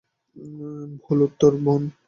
ভুল উত্তর, বোন।